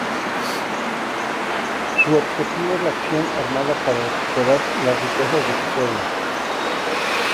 Su objetivo es la acción armada para recuperar las riquezas de su pueblo.